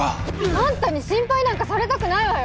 アンタに心配なんかされたくないわよ！